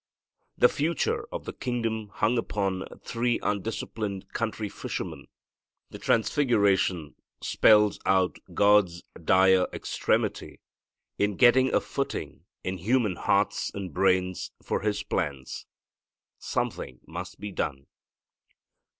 The future of the kingdom hung upon three undisciplined country fishermen. The transfiguration spells out God's dire extremity in getting a footing in human hearts and brains for His plans. Something must be done.